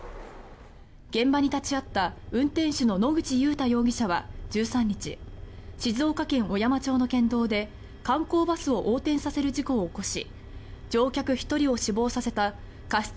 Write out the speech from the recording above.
現場に立ち会った運転手の野口祐太容疑者は１３日静岡県小山町の県道で観光バスを横転させる事故を起こし乗客１人を死亡させた過失